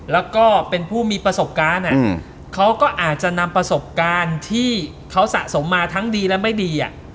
แล้วก็เป็นผู้มีประสบการณ์เขาก็อาจจะนำประสบการณ์ที่เขาสะสมมาทั้งดีและไม่ดี